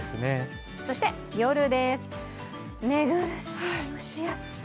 そして夜です、寝苦しい蒸し暑さ。